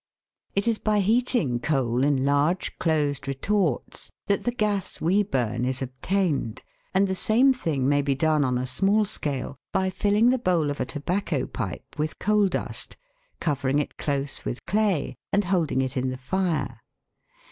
It is by heating coal in large closed retorts that the gas we burn is obtained, and the same thing may be done on a small scale by filling the bowl of a tobacco pipe with coal dust, covering it close with clay, and holding it in the fire.